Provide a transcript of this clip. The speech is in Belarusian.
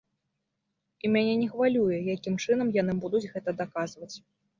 І мяне не хвалюе, якім чынам яны будуць гэта даказваць.